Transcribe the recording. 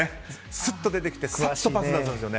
すっと出てきてぱっとパスを出すんですよね。